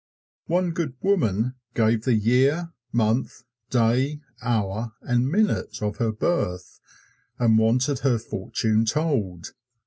One good woman gave the year, month, day, hour and minute of her birth and wanted her fortune told.